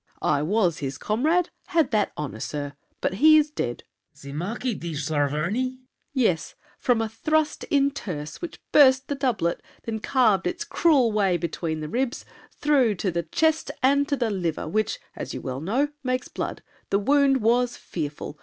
I was his comrade: had that honor, sir! But he is dead! LAFFEMAS. The Marquis de Saverny? SAVERNY. Yes, from a thrust in tierce, which burst the doublet, Then carved its cruel way between the ribs Through to the chest and to the liver, which, As you well know, makes blood. The wound was fearful.